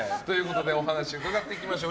お話を伺っていきましょう。